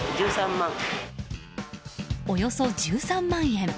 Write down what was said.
およそ１３万円。